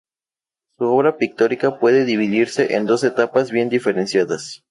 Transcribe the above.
Su obra pictórica puede dividirse en dos etapas bien diferenciadas.